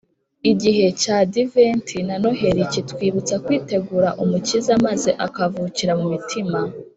igihe cy’adiventi na noheli kitwibutsa kwitegura umukiza maze akavukira mu mitima